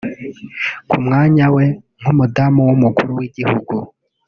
Ku mwanya we nk’Umudamu w’Umukuru w’Igihugu